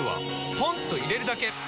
ポンと入れるだけ！